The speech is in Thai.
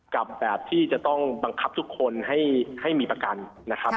กับแบบที่จะต้องบังคับทุกคนให้มีประกันนะครับ